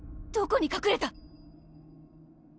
どこにかくれた？